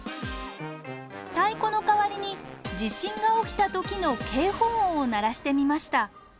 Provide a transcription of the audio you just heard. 太鼓の代わりに地震が起きた時の警報音を鳴らしてみました。